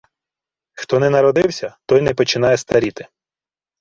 Хто не народився, той не починає старіти